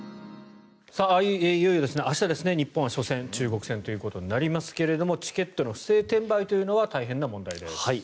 いよいよ明日日本は初戦、中国戦となりますがチケットの不正転売というのは大変な問題です。